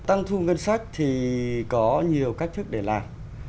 tăng thu ngân sách thì có nhiều cách thức để làm